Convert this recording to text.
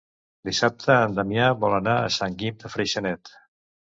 Dissabte en Damià vol anar a Sant Guim de Freixenet.